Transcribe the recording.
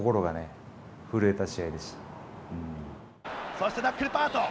そしてナックルパート。